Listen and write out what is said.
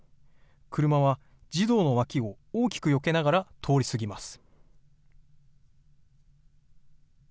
車は児童の脇を大きくよけながら通り過ぎます。